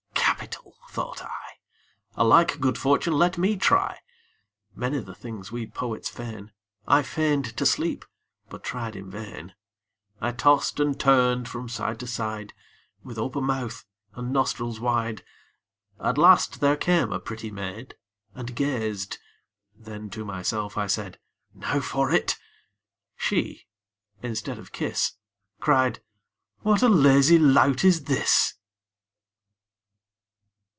'Capital!' thought I. 'A like good fortune let me try.' Many the things we poets feign. I feign'd to sleep, but tried in vain. I tost and turn'd from side to side, With open mouth and nostrils wide. At last there came a pretty maid, And gazed; then to myself I said, 'Now for it!' She, instead of kiss, Cried, 'What a lazy lout is this!'